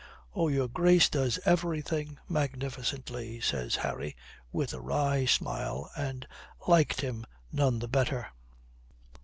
"Oh, your Grace does everything magnificently," says Harry, with a wry smile, and liked him none the better.